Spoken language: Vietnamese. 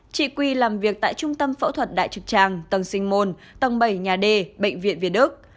chị quy làm việc tại trung tâm phẫu thuật đại trực tràng tầng sinh môn tầng bảy nhà d bệnh viện việt đức